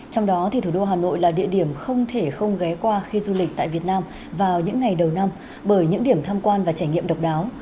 trong đó thủ đô hà nội là địa điểm không thể không ghé qua khi du lịch tại việt nam vào những ngày đầu năm bởi những điểm tham quan và trải nghiệm độc đáo